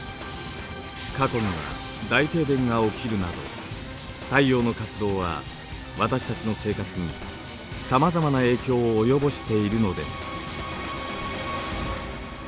過去には大停電が起きるなど太陽の活動は私たちの生活にさまざまな影響を及ぼしているのです。